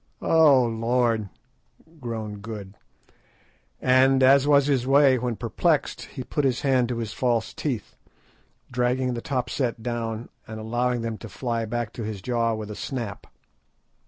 "Oh, Lord!" groaned Good; and, as was his way when perplexed, he put his hand to his false teeth, dragging the top set down and allowing them to fly back to his jaw with a snap.